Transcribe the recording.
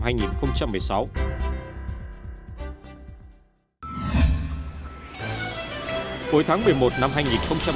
cuối tháng một mươi một năm hai nghìn một mươi sáu trong bối cảnh của chính phủ việt nam đã đạt mục tiêu tám năm triệu lượt khách cho năm hai nghìn một mươi sáu